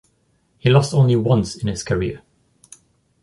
He lost only once in his career.